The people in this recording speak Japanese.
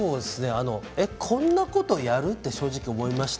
え、こんなことやるって正直思いました。